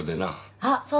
あっそうだ。